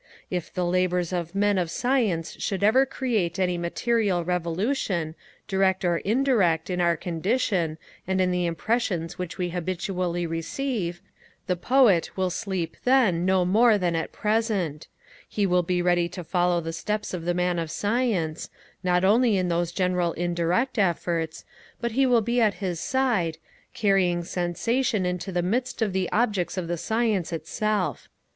If the labours of Men of science should ever create any material revolution, direct or indirect, in our condition, and in the impressions which we habitually receive, the Poet will sleep then no more than at present; he will be ready to follow the steps of the Man of science, not only in those general indirect effects, but he will be at his side, carrying sensation into the midst of the objects of the science itself.